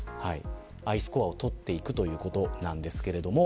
アイスコアを取っていくということなんですね。